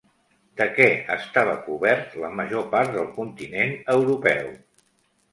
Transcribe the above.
De què estava cobert la major part del continent europeu?